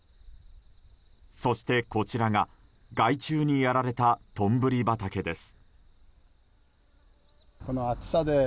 そして、こちらが害虫にやられたとんぶり畑です。